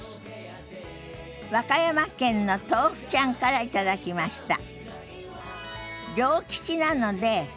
和歌山県のとうふちゃんから頂きました。